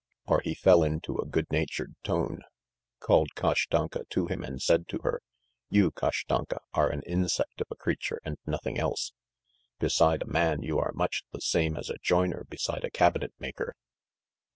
..." Or he fell into a good natured tone, called Kashtanka to him, and said to her: "You, Kashtanka, are an insect of a creature, and nothing else. Beside a man, you are much the same as a joiner beside a cabinet maker.